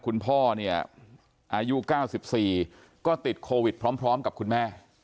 คุณพ่อเนี่ยอายุ๙๔ก็ติดโควิดพร้อมกับคุณแม่